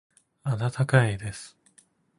温かいです。